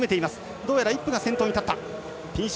どうやらイップが先頭に立った。